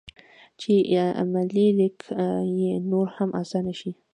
چې عملي لیکل یې نور هم اسان شي.